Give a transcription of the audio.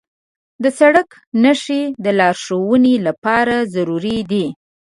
د سړک نښې د لارښوونې لپاره ضروري دي.